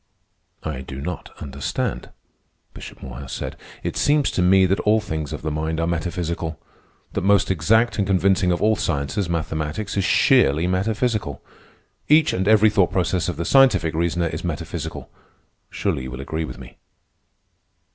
"I do not understand," Bishop Morehouse said. "It seems to me that all things of the mind are metaphysical. That most exact and convincing of all sciences, mathematics, is sheerly metaphysical. Each and every thought process of the scientific reasoner is metaphysical. Surely you will agree with me?"